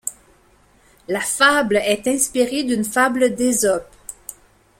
La fable est inspirée d'une fable d'Ésope.